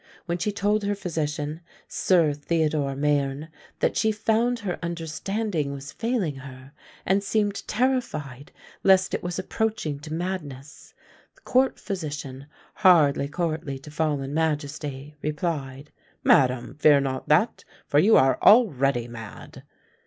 When she told her physician, Sir Theodore Mayerne, that she found her understanding was failing her, and seemed terrified lest it was approaching to madness, the court physician, hardly courtly to fallen majesty, replied, "Madam, fear not that; for you are already mad."